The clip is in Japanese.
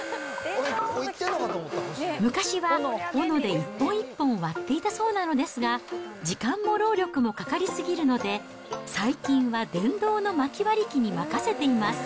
昔は、おので一本一本割っていたそうなのですが、時間も労力もかかりすぎるので、最近は電動のまき割り機に任せています。